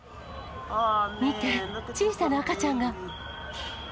見て、小さな赤ちゃんが！